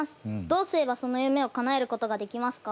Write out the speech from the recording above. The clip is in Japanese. どうすればその夢をかなえることができますか？